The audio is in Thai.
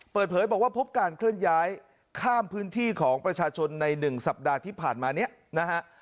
เปิดเผยบอกว่าพบการเคลื่อนย้ายข้ามพื้นที่ของประชาชนใน๑สัปดาห์ที่ผ่านมาเนี่ยนะฮะ